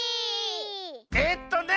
えっとね